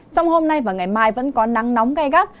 trong hôm nay và ngày mai vẫn có nắng nóng gai gắt